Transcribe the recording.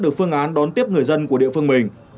được phương án đón tiếp người dân của địa phương mình